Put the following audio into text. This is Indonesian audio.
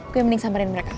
gue mending samperin mereka